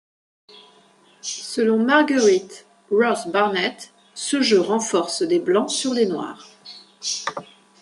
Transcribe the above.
Selon Marguerite Ross Barnett, ce jeu renforce des Blancs sur les Noirs.